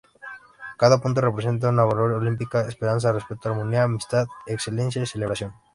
Cada punto representa una valor olímpico; Esperanza, Respeto, armonía, Amistad, Excelencia y celebración.